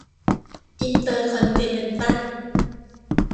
อินเตอร์คอนติเนนตัล